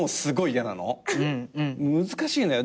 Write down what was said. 難しいのよ。